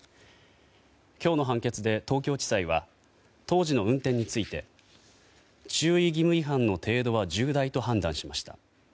今日の判決で東京地裁は当時の運転について注意義務違反の程度は重大と判断しました。